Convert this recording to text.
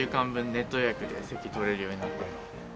ネット予約で席取れるようになってるので。